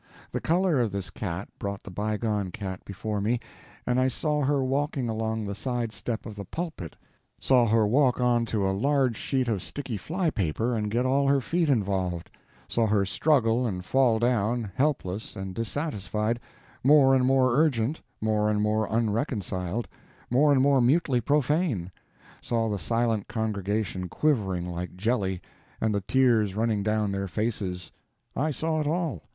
The color of this cat brought the bygone cat before me, and I saw her walking along the side step of the pulpit; saw her walk on to a large sheet of sticky fly paper and get all her feet involved; saw her struggle and fall down, helpless and dissatisfied, more and more urgent, more and more unreconciled, more and more mutely profane; saw the silent congregation quivering like jelly, and the tears running down their faces. I saw it all.